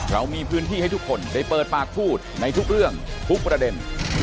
เรามีพื้นที่ให้ทุกคนได้เปิดปากพูดในทุกเรื่องทุกประเด็น